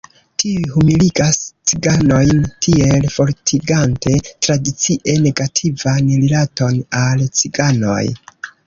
Tiuj humiligas ciganojn, tiel fortigante tradicie negativan rilaton al ciganoj.